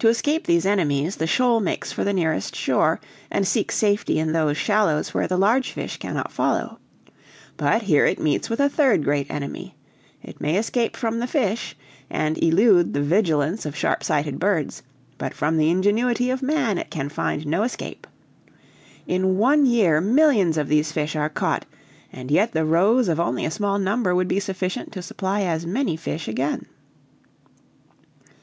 To escape these enemies, the shoal makes for the nearest shore, and seeks safety in those shallows where the large fish cannot follow. But here it meets with a third great enemy. It may escape from the fish, and elude the vigilance of sharp sighted birds, but from the ingenuity of man it can find no escape. In one year millions of these fish are caught, and yet the roes of only a small number would be sufficient to supply as many fish again."